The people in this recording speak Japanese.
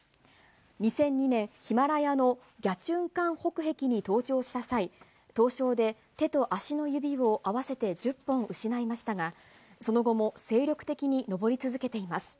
２００２年、ヒマラヤのギャチュン・カン北壁に登頂した際、凍傷で手と足の指を合わせて１０本失いましたが、その後も精力的に登り続けています。